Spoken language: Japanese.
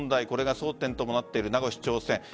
これが争点ともなっている名護市長選。